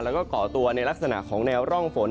แล้วก็ก่อตัวในลักษณะของแนวร่องฝน